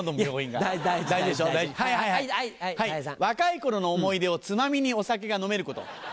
若い頃の思い出をつまみにお酒が飲めること。